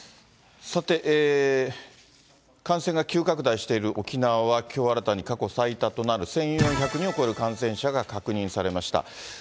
さて、感染が急拡大している沖縄はきょう新たに、過去最多となる１４００人を超える感染者が確認されました。